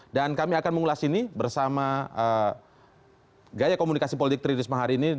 dan kami akan mengulas ini bersama gaya komunikasi politik tri risma hari ini